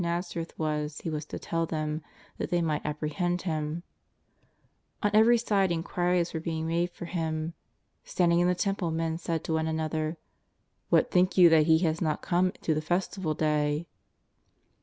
N'azareth was he was to tell them, that they might apprehend Him. On every side inquiries were being 302 JESUS OF NAZAEETH. made for Him. Standing in the Temple men said to one another: " What think you that He has not come to the fes tival day